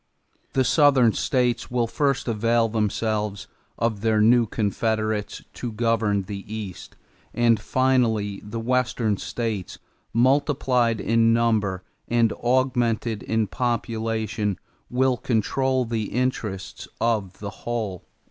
The Southern states will first avail themselves of their new confederates to govern the East, and finally the Western states, multiplied in number, and augmented in population, will control the interests of the whole."